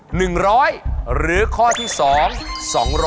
หรือข้อที่สอง๒๐๐